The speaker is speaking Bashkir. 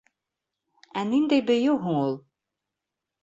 —Ә ниндәй бейеү һуң ул?